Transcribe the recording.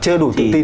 chưa đủ tự tin